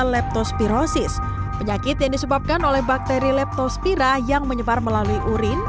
leptospirosis penyakit yang disebabkan oleh bakteri leptospira yang menyebar melalui urin